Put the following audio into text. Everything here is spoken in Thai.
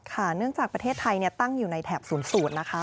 เนื่องจากประเทศไทยตั้งอยู่ในแถบ๐๐นะคะ